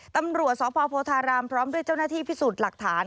ตำรวจสพโพธารามพร้อมด้วยเจ้าหน้าที่พิสูจน์หลักฐาน